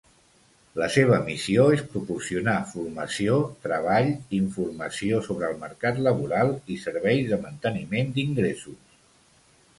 La seva missió és proporcionar formació, treball, informació sobre el mercat laboral i serveis de manteniment d'ingressos.